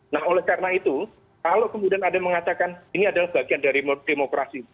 nah oleh karena itu kalau kemudian ada yang mengatakan ini adalah bagian dari demokrasi